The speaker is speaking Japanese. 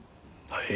はい。